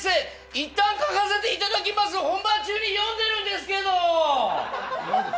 「一旦書かせて頂きます」本番中に読んでるんですけど！